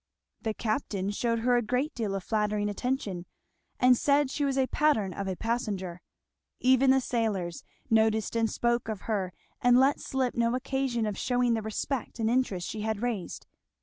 The Captain shewed her a great deal of flattering attention, and said she was a pattern of a passenger; even the sailors noticed and spoke of her and let slip no occasion of shewing the respect and interest she had raised.